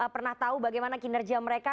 pernah tahu bagaimana kinerja mereka